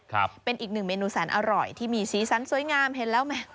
ครับเป็นอีกหนึ่งเมนูแสนอร่อยที่มีสีสันสวยงามเห็นแล้วไหม